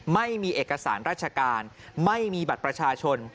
ไม่มีเอกสารราชการไม่มีบัตรประชาชน